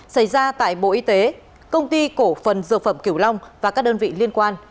xảy ra tại bộ y tế công ty cổ phần dược phẩm kiểu long và các đơn vị liên quan